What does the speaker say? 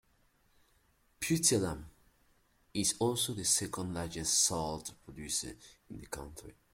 Puttalam is also the second largest salt producer in the country.